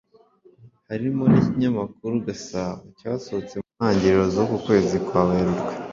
harimo n’ikinyamakuru Gasabo cyasohotse mu ntangiriro z’uku kwezi kwa Werurwe